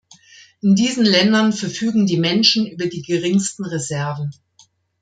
In diesen Ländern verfügen die Menschen über die geringsten Reserven.